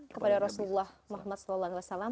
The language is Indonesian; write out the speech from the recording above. kepada rasulullah muhammad saw